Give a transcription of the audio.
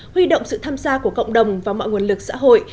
huy động sự tham gia của cộng đồng và mọi nguồn lực xã hội